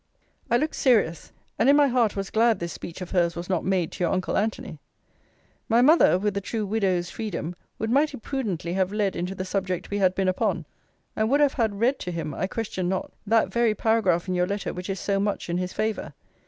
I looked serious; and in my heart was glad this speech of hers was not made to your uncle Antony. My mother, with the true widow's freedom, would mighty prudently have led into the subject we had been upon; and would have had read to him, I question not, that very paragraph in your letter which is so much in his favour.